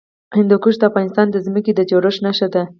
هندوکش د افغانستان د ځمکې د جوړښت نښه ده.